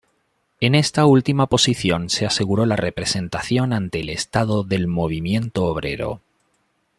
En esta última posición se aseguró la representación ante el Estado del movimiento obrero.